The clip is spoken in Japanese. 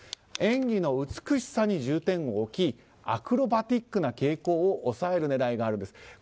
演技の美しさに重点を置きアクロバティックな傾向を抑える狙いがあるですと。